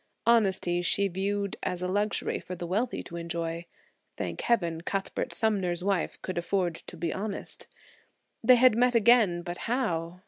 Honesty she viewed as a luxury for the wealthy to enjoy. Thank heaven, Cuthbert Sumner's wife could afford to be honest. They had met again, but how?